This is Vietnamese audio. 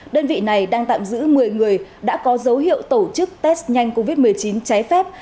đơn vị này đang tạm giữ một mươi người đã có dấu hiệu tổ chức test nhanh covid một mươi chín trái phép